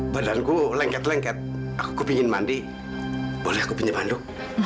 badanku lengket lengket aku pun ingin mandi boleh aku pinjam handuk